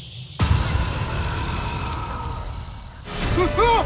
うわっ！